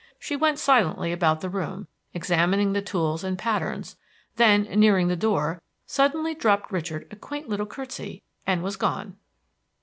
She went silently about the room, examining the tools and patterns; then, nearing the door, suddenly dropped Richard a quaint little courtesy, and was gone.